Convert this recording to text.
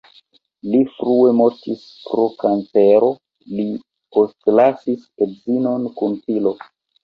Li frue mortis pro kancero, li postlasis edzinon kun filo.